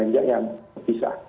dan yang bisa